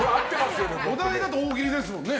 お題だと大喜利ですもんね。